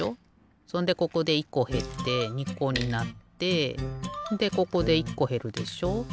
そんでここで１こへって２こになってでここで１こへるでしょ。